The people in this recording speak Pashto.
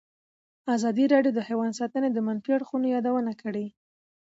ازادي راډیو د حیوان ساتنه د منفي اړخونو یادونه کړې.